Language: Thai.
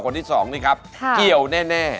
คนที่สองนี่ครับเกี่ยวแน่